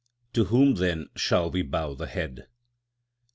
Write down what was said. To whom, then, shall we bow the head?